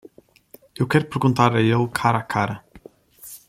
Eu quero perguntar a ele cara a cara.